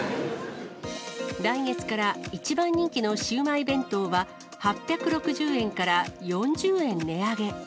来月から一番人気のシウマイ弁当は、８６０円から４０円値上げ。